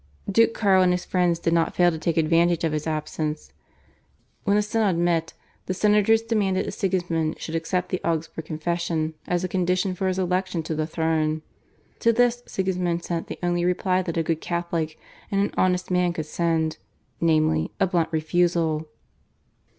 Duke Karl and his friends did not fail to take advantage of his absence. When the Synod met the senators demanded that Sigismund should accept the Augsburg Confession as a condition for his election to the throne. To this Sigismund sent the only reply that a good Catholic and an honest man could send, namely, a blunt refusal.